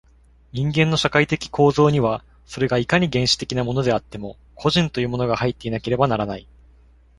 人間の社会的構造には、それがいかに原始的なものであっても、個人というものが入っていなければならない。